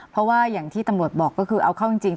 เพราะว่าอย่างที่ตำรวจบอกก็คือเอาเข้าจริง